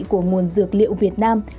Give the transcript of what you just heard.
của nguồn dược liệu việt nam